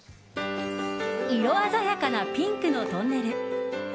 色鮮やかなピンクのトンネル。